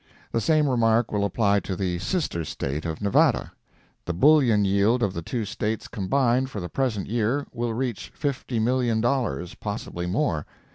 The same remark will apply to the sister State of Nevada. The bullion yield of the two States combined, for the present year, will reach $50,000,000, possibly more.